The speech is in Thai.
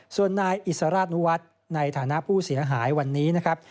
ส่วนนายอิสราชนุวัฒน์ในฐานะผู้เสียหายวันนี้นะครับ